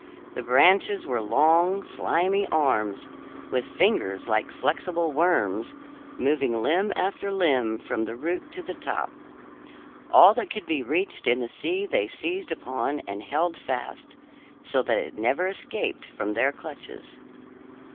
The branches were long, slimy arms, with fingers like flexible worms, moving limb after limb from the root to the top. All that could be reached in the sea they seized upon and held fast, so that it never escaped from their clutches.